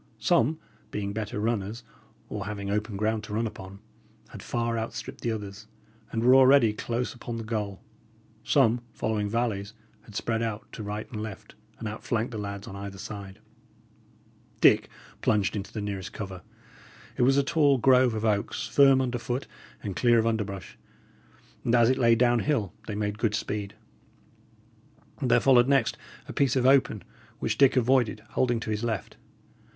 Some, being better runners, or having open ground to run upon, had far outstripped the others, and were already close upon the goal; some, following valleys, had spread out to right and left, and outflanked the lads on either side. Dick plunged into the nearest cover. It was a tall grove of oaks, firm under foot and clear of underbrush, and as it lay down hill, they made good speed. There followed next a piece of open, which Dick avoided, holding to his left.